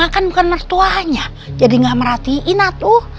kan bukan mertuanya jadi gak merhatiin atuh